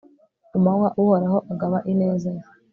ku manywa, uhoraho agaba ineza ye